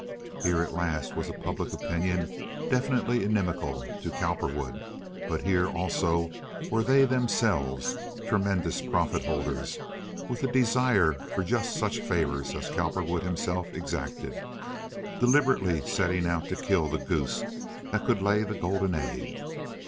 Here at last was a public opinion definitely inimical to Cowperwood; but here also were they themselves, tremendous profit holders, with a desire for just such favors as Cowperwood himself had exacted, deliberately setting out to kill the goose that could lay the golden egg.